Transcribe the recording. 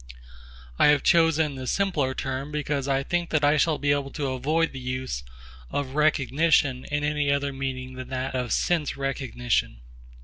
I have chosen the simpler term because I think that I shall be able to avoid the use of 'recognition' in any other meaning than that of 'sense recognition.'